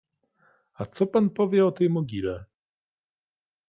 — A co pan powie o tej mogile?